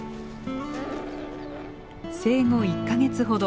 生後１か月ほど。